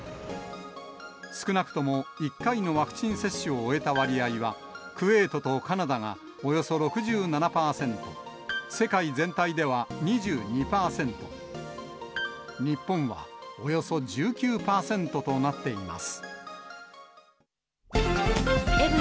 少なくとも１回のワクチン接種を終えた割合は、クウェートとカナダがおよそ６７％、世界全体では２２％、日本はおよそ１９％となっています。